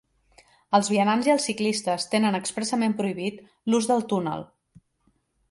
Els vianants i els ciclistes tenen expressament prohibit l'ús del túnel.